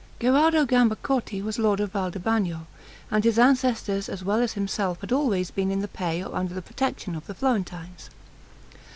Gherardo Gambacorti was lord of Val di Bagno, and his ancestors as well as himself had always been in the pay or under the protection of the Florentines.